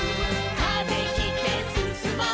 「風切ってすすもう」